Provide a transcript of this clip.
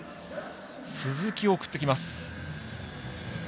鈴木を送ってきます。